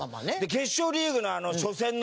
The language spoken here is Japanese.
決勝リーグの初戦のね